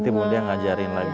nanti bunda ngajarin lagi